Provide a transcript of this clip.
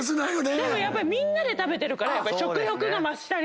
でもやっぱりみんなで食べてるから食欲が増したり。